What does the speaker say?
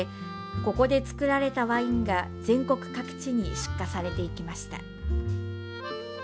ここで造られたワインが全国各地に出荷されていきました。